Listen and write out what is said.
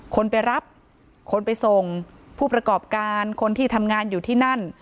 คนไปรับคนไปส่งผู้ประกอบการคนที่ทำงานอยู่ที่นั่น